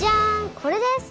これです！